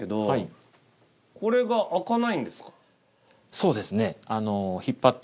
そうですね。